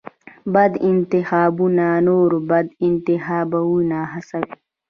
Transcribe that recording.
بد انتخابونه نور بد انتخابونه هڅوي.